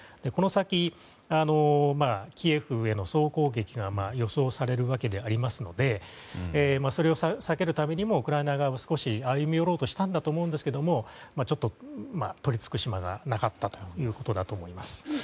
この先、キエフへの総攻撃が予想されるわけでありますのでそれを避けるためにもウクライナ側も少し歩み寄ろうとしたと思うんですがちょっと取り付く島がなかったということだと思います。